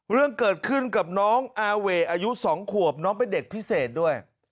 เรื่องเกิดขึ้นกับน้องอาเวอายุ๒ขวบน้องเป็นเด็กพิเศษด้วย